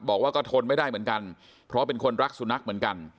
บอกว่าก็ทนไม่ได้เหมือนกันเพราะเป็นคนรักสุนัขเหมือนกัน